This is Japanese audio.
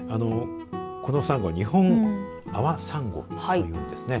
このサンゴ、ニホンアワサンゴというんですね。